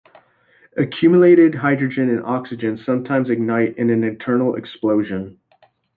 Accumulated hydrogen and oxygen sometimes ignite in an internal explosion.